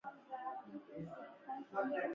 د لومړي څپرکي پوښتنې ولیکئ.